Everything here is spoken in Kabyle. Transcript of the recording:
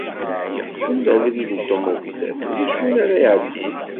Yeqfel abrid n ṭumubilat ulac win ara iɛeddin.